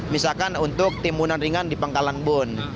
misalkan untuk timbunan ringan di pangkalan bun